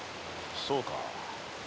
そうか。